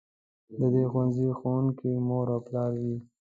د دې ښوونځي ښوونکي مور او پلار وي.